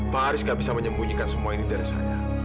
pak haris nggak bisa menyembunyikan semua ini dari saya